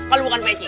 kalau bukan peci